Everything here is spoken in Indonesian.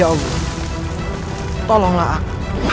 ya allah tolonglah aku